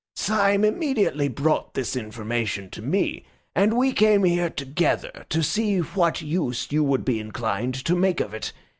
"Syme immediately brought this information to me, and we came here together to see what use you would be inclined to make of it.